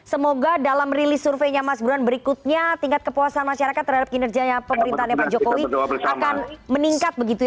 semoga dalam rilis surveinya mas buruan berikutnya tingkat kepuasan masyarakat terhadap kinerjanya pemerintahnya pak jokowi akan meningkat begitu ya